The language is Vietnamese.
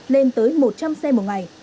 lên tới một trăm linh xe một ngày